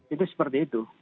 itu seperti itu